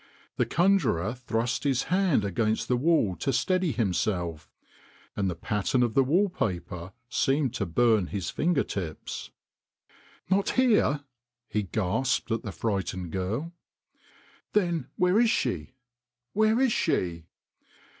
The conjurer thrust his hand against the wall to steady himself, and the pattern of the wall paper seemed to burn his finger tips. " Not here !" he gasped at the frightened girl. " Then where is she ? Where is she